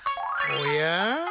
おや？